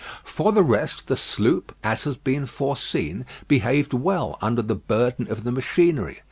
For the rest, the sloop, as has been foreseen, behaved well under the burden of the machinery.